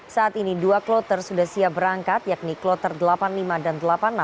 saat ini dua kloter sudah siap berangkat yakni kloter delapan puluh lima dan delapan puluh enam